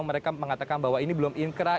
mereka mengatakan bahwa ini belum inkrah